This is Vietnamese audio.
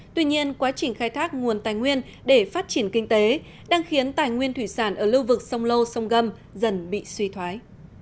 tuy nhiên quá trình khai thác nguồn tài nguyên để phát triển kinh tế đang khiến tài nguyên thủy sản ở lưu vực sông lô sông gâm dần bị suy thoái